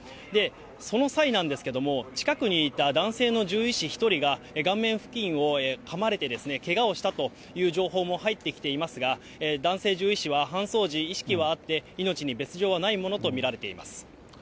その際なんですけども、近くにいた男性の獣医師１人が顔面付近をかまれてけがをしたという情報も入ってきていますが、男性獣医師は搬送時、意識はあって、命に別状はないものと見られています。